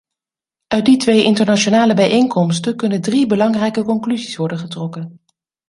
Uit die twee internationale bijeenkomsten kunnen drie belangrijke conclusies worden getrokken.